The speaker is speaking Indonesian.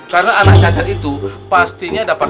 karena anak cacat itu pastinya dapat